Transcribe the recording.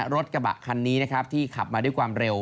รถกระบะคันนี้นะครับที่ขับมาด้วยความเร็ว